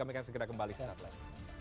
kami akan segera kembali sesaat lagi